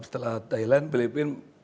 setelah thailand filipina